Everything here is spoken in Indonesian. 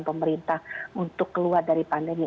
pemerintah untuk keluar dari pandemi